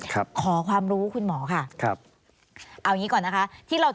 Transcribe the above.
ขอความรู้คุณหมอค่ะเอาอย่างนี้ก่อนนะคะ